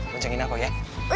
boncengin aku ya